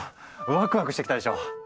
ワクワクしてきたでしょ？